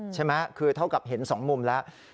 ใช่ไหมคือเท่ากับเห็น๒มุมแล้ว